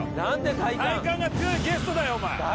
体幹体幹が強いゲストだよお前誰？